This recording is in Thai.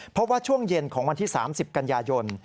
เพราะว่าช่วงเย็นของวันที่๓๐กันยายน